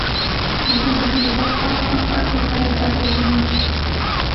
Әбүбәкергә ап-аҡ атай кәрәк, Әҙелғужина!